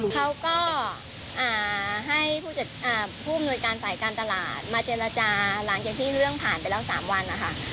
เขาก็ให้ผู้อำนวยการฝ่ายการตลาดมาเจรจาหลังจากที่เรื่องผ่านไปแล้ว๓วันนะคะ